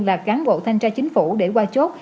là cán bộ thanh tra chính phủ để qua chốt